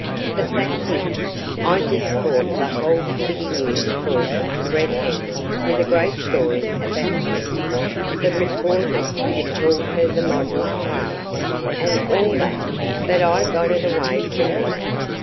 "The fact is, I just caught the whole City News force red handed with a great story about Clip. The reporters had called her the modern Clara, and all that, but I got it away from them.